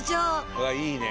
うわいいね！